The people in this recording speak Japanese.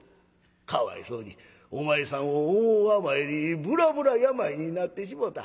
かわいそうにお前さんを思うあまりにぶらぶら病になってしもた。